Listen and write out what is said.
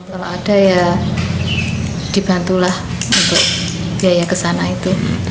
kalau ada ya dibantulah untuk biaya ke sana itu